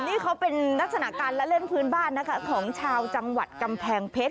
นี่เขาเป็นลักษณะการละเล่นพื้นบ้านนะคะของชาวจังหวัดกำแพงเพชร